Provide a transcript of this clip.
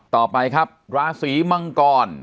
ต่อไปครับราศีมังกร